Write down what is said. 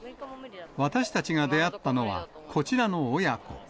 私たちが出会ったのは、こちらの親子。